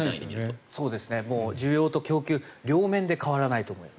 需要と供給両面で変わらないと思います。